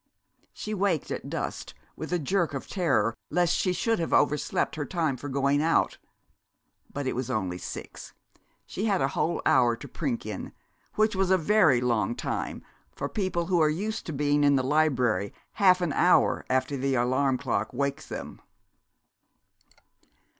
She waked at dusk, with a jerk of terror lest she should have overslept her time for going out. But it was only six. She had a whole hour to prink in, which is a very long time for people who are used to being in the library half an hour after the alarm clock wakes them.